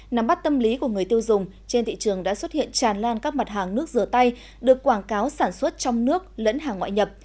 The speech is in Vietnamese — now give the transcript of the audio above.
nắm bắt tâm lý của người tiêu dùng trên thị trường đã xuất hiện tràn lan các mặt hàng nước rửa tay được quảng cáo sản xuất trong nước lẫn hàng ngoại nhập